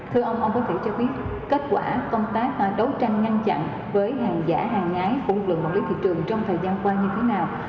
thưa ông ông phước thị cho biết kết quả công tác đấu tranh ngăn chặn với hàng giả hàng nhái phụ lượng quản lý thị trường trong thời gian qua như thế nào